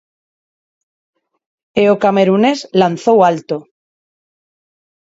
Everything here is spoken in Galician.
E o camerunés lanzou alto.